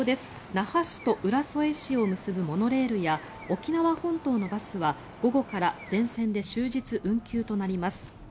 那覇市と浦添市を結ぶモノレールや沖縄本島のバスは午後から全線で終日運休となります。